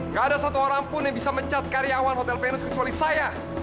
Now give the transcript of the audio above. gak ada satu orang pun yang bisa mencat karyawan hotel venus kecuali saya